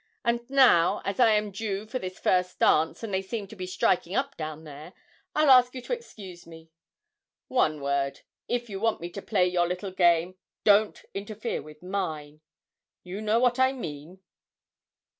And now, as I am due for this first dance, and they seem to be striking up down there, I'll ask you to excuse me. One word if you want me to play your little game, don't interfere with mine you know what I mean!'